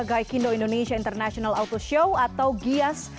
gaikindo indonesia international auto show atau gias